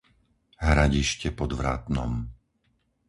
Hradište pod Vrátnom